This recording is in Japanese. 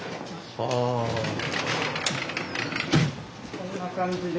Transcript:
こんな感じで。